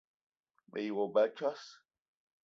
Me yi wa ba a tsoss!